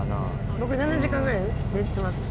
僕７時間ぐらい寝てます。